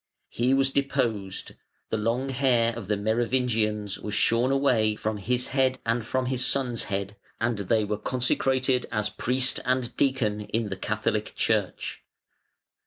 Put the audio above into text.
He was deposed: the long hair of the Merovingians was shorn away from his head and from his son's head, and they were consecrated as priest and deacon in the Catholic Church.